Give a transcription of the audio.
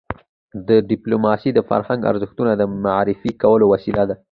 ډيپلوماسي د فرهنګي ارزښتونو د معرفي کولو وسیله ده.